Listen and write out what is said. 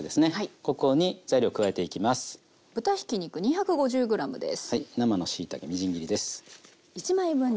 ここに材料加えていきます。